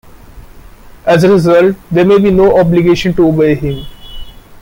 As a result, there may be no obligation to obey them.